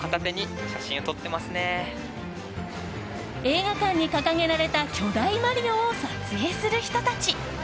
映画館に掲げられた巨大マリオを撮影する人たち。